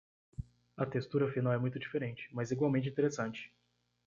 A textura final é muito diferente, mas igualmente interessante.